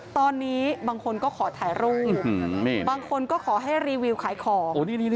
ตอนนี้บางคนก็ขอถ่ายรูปบางคนก็ขอให้รีวิวขายของ